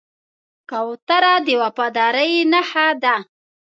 کوتره د وفادارۍ نښه ده.